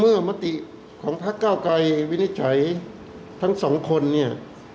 มือมาติพระเก้าไกรวินิจฉัยทั้งสองคนเนี้ย